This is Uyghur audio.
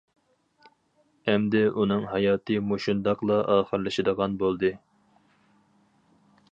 ئەمدى ئۇنىڭ ھاياتى مۇشۇنداقلا ئاخىرلىشىدىغان بولدى.